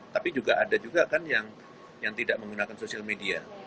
tapi juga ada juga kan yang tidak menggunakan sosial media